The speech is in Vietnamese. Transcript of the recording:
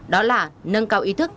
đó là nâng cao ý thức